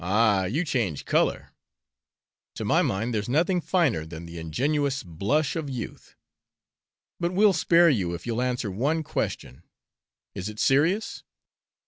Ah, you change color! To my mind there's nothing finer than the ingenuous blush of youth. But we'll spare you if you'll answer one question is it serious?"